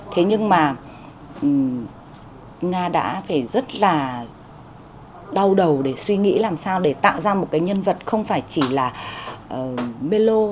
thế nhưng mà nga đã phải rất là đau đầu để suy nghĩ làm sao để tạo ra một cái nhân vật không phải chỉ là mê lô